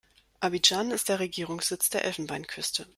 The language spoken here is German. Abidjan ist der Regierungssitz der Elfenbeinküste.